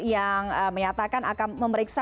yang menyatakan akan memeriksa